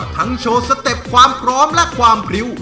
โชว์สเต็ปความพร้อมและความพริ้ว